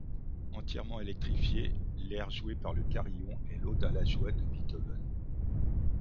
Entièrement électrifié, l'air joué par le carillon est l’Ode à la Joie de Beethoven.